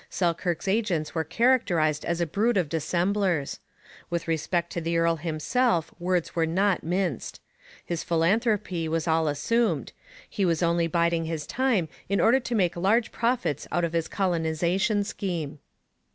Selkirk's agents were characterized as a brood of dissemblers. With respect to the earl himself words were not minced. His philanthropy was all assumed; he was only biding his time in order to make large profits out of his colonization scheme.